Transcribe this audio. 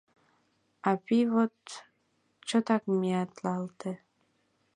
А пий вот чотак маитлалте.